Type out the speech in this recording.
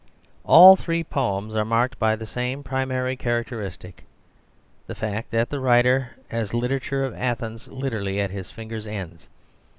All three poems are marked by the same primary characteristic, the fact that the writer has the literature of Athens literally at his fingers' ends.